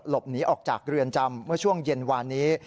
หลบหนีออกจากเรือนจำเมื่อช่วงเย็นวานนี้